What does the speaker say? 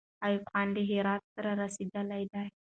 ایوب خان له هراته را رسېدلی دی.